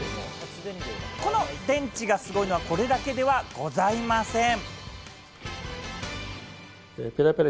この電池がすごいのは、これだけではございません。